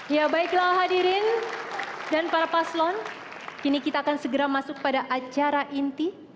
ya baiklah hadirin dan para paslon kini kita akan segera masuk pada acara inti